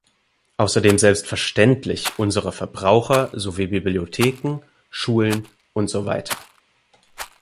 Außerdem selbstverständlich unsere Verbraucher sowie Bibliotheken, Schulen und so weiter.